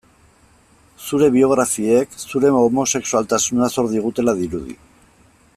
Zure biografiek zure homosexualtasuna zor digutela dirudi.